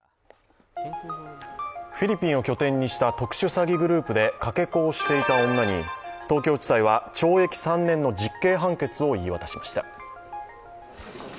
フィリピンを拠点にした特殊詐欺グループでかけ子をしていた女に東京地裁は懲役３年の実刑判決を言い渡しました。